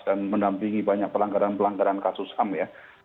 dan mendampingi banyak pelanggaran pelanggaran kasus ham ya